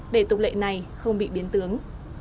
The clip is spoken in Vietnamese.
để tục lệ này không bị biến tướng